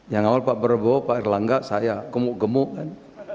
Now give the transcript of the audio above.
yang awal pak prabowo pak erlangga saya gemuk gemuk kan